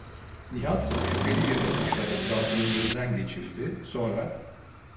Nihat şüpheli bir bakışla etrafını gözden geçirdi, sonra: